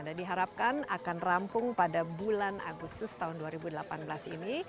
dan diharapkan akan rampung pada bulan agustus tahun dua ribu delapan belas ini